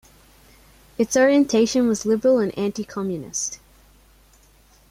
Its orientation was liberal and anti-communist.